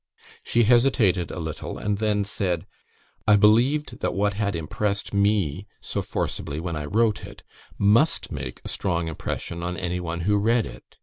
She hesitated a little, and then said: "I believed that what had impressed me so forcibly when I wrote it, must make a strong impression on any one who read it.